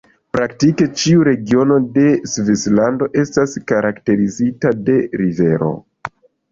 Praktike ĉiu regiono de Svislando estas karakterizita de rivero.